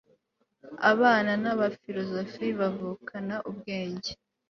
Abana nabafilozofe bavukana ubwenge